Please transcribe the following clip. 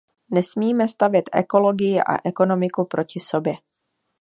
Nesmíme stavět ekologii a ekonomiku proti sobě.